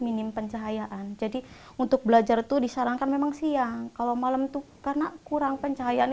minim pencahayaan jadi untuk belajar itu disarankan memang siang kalau malam tuh karena kurang pencahayaan